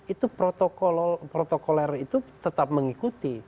itu protokoler itu tetap mengikuti